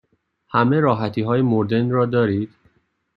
همه راحتی های مدرن را دارید؟